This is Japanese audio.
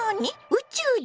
宇宙人？